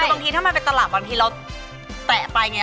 แต่บางทีถ้ามันเป็นตลาดบางทีเราแตะไปไง